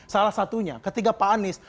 salah satunya ketika pak anies